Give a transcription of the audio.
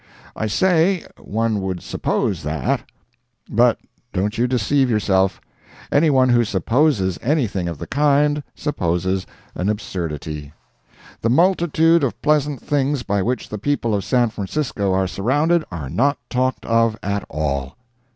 I say, one would suppose that. But don't you deceive yourself—any one who supposes anything of the kind, supposes an absurdity. The multitude of pleasant things by which the people of San Francisco are surrounded are not talked of at all.